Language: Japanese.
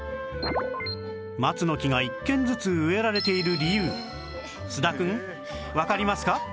松の木が１軒ずつ植えられている理由菅田くんわかりますか？